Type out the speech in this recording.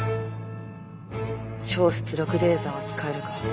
超出力レーザーは使えるか？